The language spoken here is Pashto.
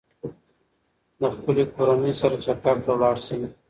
د خپلې کورنۍ سره چکر ته لاړ شئ.